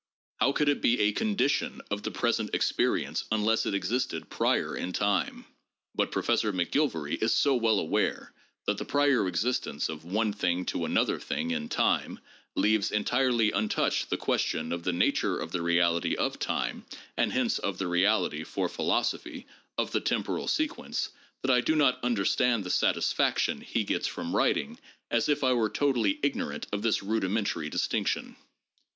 How could it be a condition of the present experience unless it existed prior in time ? But Professor McGilvary is so well aware that the prior existence of one thing to another thing in time leaves entirely untouched the question of the nature of the reality of time, and hence of the reality, for philosophy, of the temporal sequence, that I do not understand the satisfaction he gets from writing as if I were totally ignorant of this rudimentary distinc tion.